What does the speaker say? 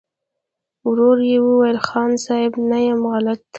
ورو يې وويل: خان صيب! نه يم غلط.